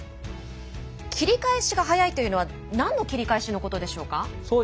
切り返しが速いというのは何の切り返しのことでしょうか？